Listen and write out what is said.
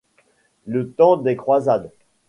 Le temps des croisades.